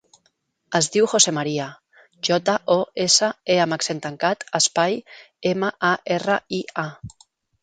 Es diu José maria: jota, o, essa, e amb accent tancat, espai, ema, a, erra, i, a.